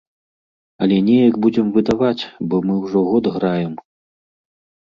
Але неяк будзем выдаваць, бо мы ўжо год граем.